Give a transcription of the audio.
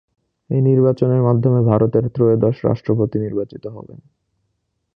এই নির্বাচনের মাধ্যমে ভারতের ত্রয়োদশ রাষ্ট্রপতি নির্বাচিত হবেন।